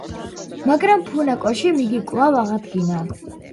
მაგრამ ფუნაკოშიმ იგი კვლავ აღადგინა.